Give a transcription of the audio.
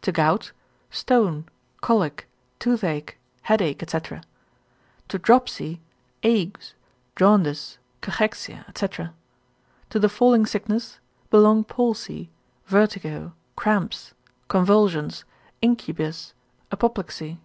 To gout, stone, colic, toothache, headache, &c. To dropsy, agues, jaundice, cachexia, &c. To the falling sickness, belong palsy, vertigo, cramps, convulsions, incubus, apoplexy, &c.